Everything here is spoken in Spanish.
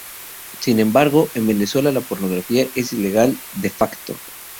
Sin embargo, en Venezuela, la pornografía es ilegal de-facto.